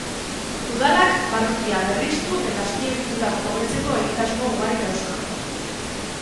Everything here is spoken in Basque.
Udalak barrutia berriztu eta azpiegiturak hobetzeko egitasmo ugari dauzka.